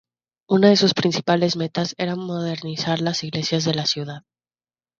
Una de sus principales metas era modernizar las iglesias de la ciudad.